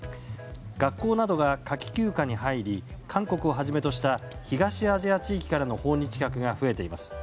学校などが夏季休暇に入り韓国をはじめとした東アジア地域からの訪日客が増えています。